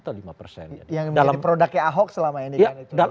yang menjadi produknya ahok selama ini kan itu